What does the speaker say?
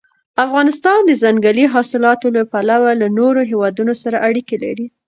افغانستان د ځنګلي حاصلاتو له پلوه له نورو هېوادونو سره اړیکې لري.